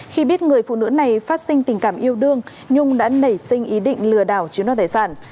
khi biết người phụ nữ này phát sinh tình cảm yêu đương nhung đã nảy sinh ý định lừa đảo chiếm đoạt tài sản